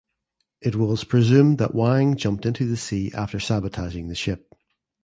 It was presumed that Wang jumped into the sea after sabotaging the ship.